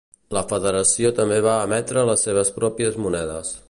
La Federació també va emetre les seves pròpies monedes.